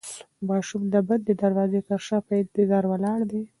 ماشوم د بندې دروازې تر شا په انتظار ولاړ دی.